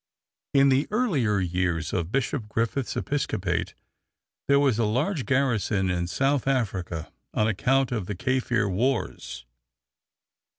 In the earlier years of Bishop Griffith's episcopate there was a large garrison in South Africa on account of the Kaffir wars.